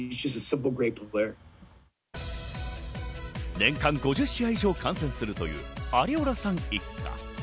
年間５０試合以上、観戦するというアリオラさん一家。